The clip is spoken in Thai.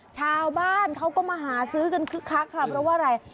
ชาวบ้านเขาก็มาหาซื้อกันคลักแล้วว่าอะไร